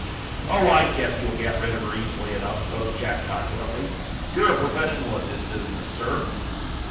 "Oh, I guess you'll get rid of her easily enough," spoke Jack, confidently. "You're a professional at this business, sir."